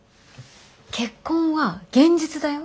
結婚は現実だよ